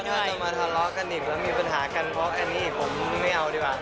ถ้าจะมาทะเลาะกันอีกแล้วมีปัญหากันเพราะอันนี้ผมไม่เอาดีกว่า